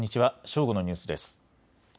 正午のニュースです。